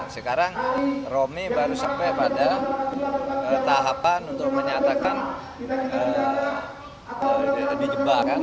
sekarang romi baru sampai pada tahapan untuk menyatakan dijebak